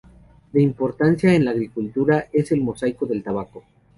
De importancia en la agricultura es el mosaico del tabaco.